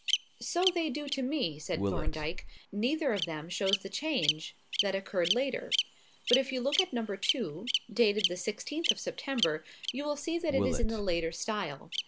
"So they do to me," said Thorndyke. "Neither of them shows the change that occurred later. But if you look at number two, dated the sixteenth of September, you will see that it is in the later style.